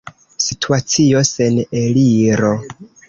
Situacio sen eliro.